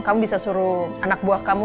kamu bisa suruh anak buah kamu